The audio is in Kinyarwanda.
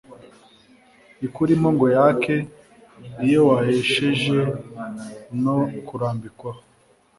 ikurimo ngo yake iyo waheshejwe no kurambikwaho